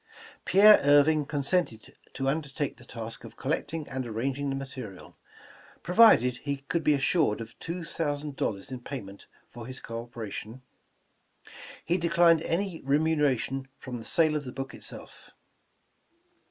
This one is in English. Pierre Irving consented to undertake the task of col lecting and arranging material, provided he could be assured of two thousand dollars in payment for his co operation. He declined any remuneration from the sale of the book itself.